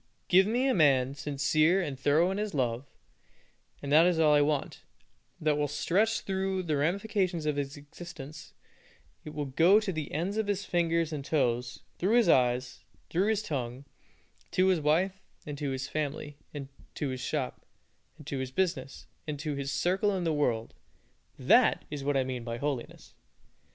Give me a man sincere and thorough in his love, and that is all I want; that will stretch through all the ramifications of his existence; it will go to the ends of his fingers and his toes, through his eyes, and through his tongue, to his wife, and to his family, to his shop, and to his business, and to his circle in the world. That is what I mean by holiness!